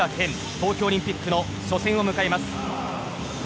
東京オリンピックの初戦を迎えます。